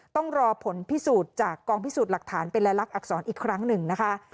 ต้องรอผลพิสูจน์จากกองพิสูจน์หลักฐานเป็นและลักษรอีกครั้งหนึ่งนะคะ